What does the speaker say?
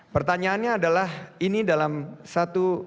pertanyaannya adalah ini dalam satu